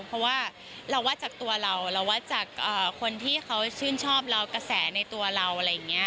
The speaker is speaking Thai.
เพราะว่าเราว่าจากตัวเราเราว่าจากคนที่เขาชื่นชอบเรากระแสในตัวเราอะไรอย่างนี้